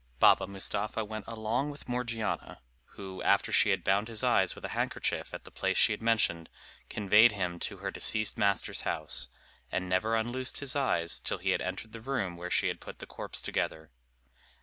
Baba Mustapha went with Morgiana, who, after she had bound his eyes with a handkerchief at the place she had mentioned, conveyed him to her deceased master's house, and never unloosed his eyes till he had entered the room where she had put the corpse together.